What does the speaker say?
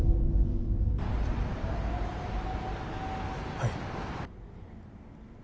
はい。